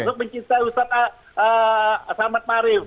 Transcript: termasuk mengikuti ustaz ahmad marif